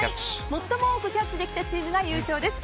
最も多くキャッチできたチームが優勝です。